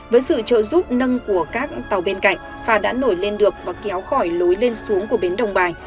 với sự trợ giúp nâng của các tàu bên cạnh phà đã nổi lên được và kéo khỏi lối lên xuống của bến đồng bài